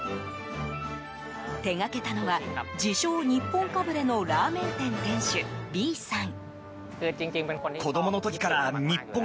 手掛けたのは自称日本かぶれのラーメン店店主、ビーさん。